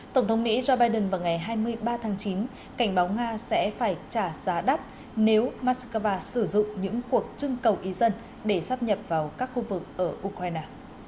tổng thống mỹ joe biden vào ngày hai mươi ba tháng chín cảnh báo nga sẽ phải trả giá đắt nếu moscow sử dụng những cuộc trưng cầu ý dân để sắp nhập vào các khu vực ở ukraine